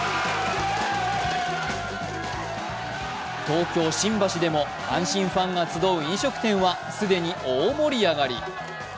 東京・新橋でも阪神ファンが集う飲食店は既に大盛り上がり。